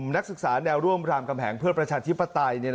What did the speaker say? นักศึกษาแนวร่วมรามกำแหงเพื่อประชาธิปไตย